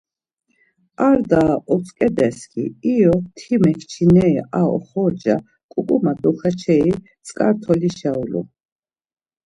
Ar daa otzǩedes-ki iro ti mekçineri ar oxorca ǩuǩuma dokaçeri tzǩartolişa ulun.